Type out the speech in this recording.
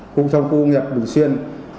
cũng trong khu công nghiệp bình xuyên